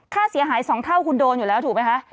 ค่าเสียหาย๒เท่าคุณโดนอยู่แล้วถูกไหมคะ